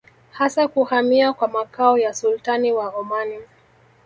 Hasa kuhamia kwa makao ya Sultani wa Omani